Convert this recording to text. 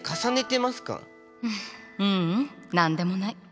ふうううん何でもない。